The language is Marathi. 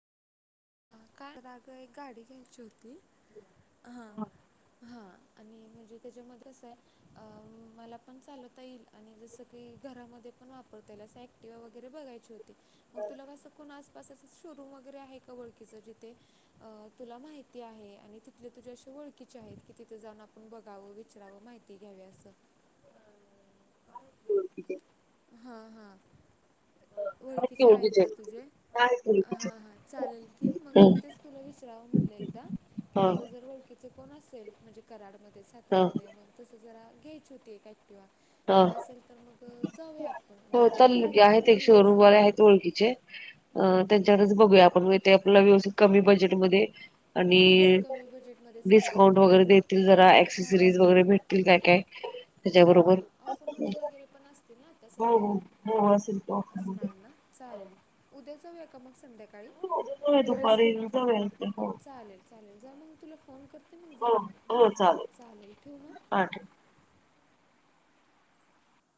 काय आग एक गाडी घ्यायची होती. हा, हा. [unintelligible] आणि म्हणजे त्याच्याम कसय? [unintelligible] अ मला पण चालवता येईल आणि जसं की घरामध्ये पण वापरता येईल असं वगैरे बघायची होती मग तुला कसं कोण आसपास असं शोरूम वगैरे आहे का ओळखीचं जिथे अ तुला माहिती आहे आणि तिथले तुझे असे ओळखीचे आहेत की तिथे जाऊन आपण बघावं विचरावं माहिती ती घ्यावी असं [unintelligible] हा हा ओळखीचे आहेत का तुझे आहेत ओळखीचे. हा हा चालेल की मग हम्म तेच तुला विचाराव म्हटलं एकदा की हा तुझं जर ओळखीच कोण असेल कराडमध्ये हा सातरमध्ये मग तस जरा घ्यायची होती एक ऍक्टिवा हा मग असेल तर मग जाऊया आ हो चालेल की आहेत एक शोअरूम माझ्या आहेत ओळखीचे अं त्यांच्यावरच बघूया आपण म्हणजे व्यवस्थित कमी बजेटमध्ये आणि तेच असं कमी बजेटमध्येच पाहिजे डिस्काउंट होते वगैरे देतील जरा एक्सेसरीज वगैरे भेटतील काय काय हा त्याच्याबरोबर. हा ऑफरमध्ये वगैरे पण असतील ना आता हो सध्याला हो हो असेल की ऑफरमध्ये. असणार ना चालेल उद्या जाऊया का मग संध्याकाळी हो उद्या जाऊया वेळ दुपारी असेल तर जाऊया हो चालेल चालेल जा मग तुला फोन करते मग हो जाऊयात चालेल ठेवू ना पाठ